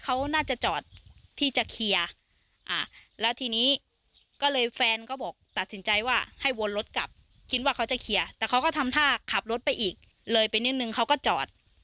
เขาน่าจะจอดที่จะเคลียร์แล้วทีนี้ก็เลยแฟนก็บอกตัดสินใจว่าให้วนรถกลับคิดว่าเขาจะเคลียร์แต่เขาก็ทำท่าขับรถไปอีกเลยไปนิดนึงเขาก็จอด